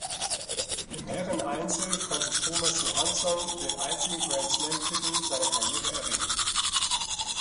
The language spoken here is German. Im Herreneinzel konnte Thomas Johansson den einzigen Grand-Slam-Titel seiner Karriere erringen.